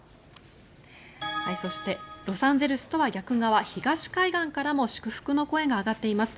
そして、ロサンゼルスとは逆側東海岸からも祝福の声が上がっています。